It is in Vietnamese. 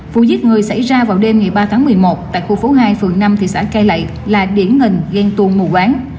vụ giết người xảy ra vào đêm ngày ba tháng một mươi một tại khu phố hai phường năm thị xã cai lậy là điển hình ghen tuôn mùa quán